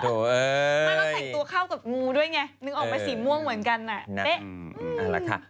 ดูเป็นสีม่วงเหมือนกัน